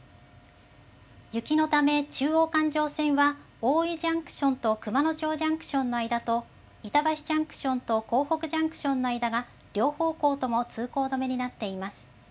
雪のため中央環状線は大井ジャンクションと熊野町ジャンクションの間と板橋ジャンクションと江北ジャンクションの間が両方向とも通行止めになっています。